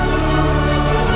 ada yang masuk lagi